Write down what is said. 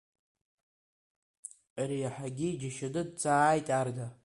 Ари иаҳагьы иџьашьаны дҵааит Арда.